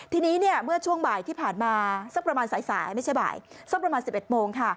ทีนี้เมื่อช่วงบ่ายที่ผ่านมาสักประมาณ๑๑โมง